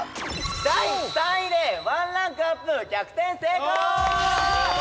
第３位で１ランクアップ逆転成功！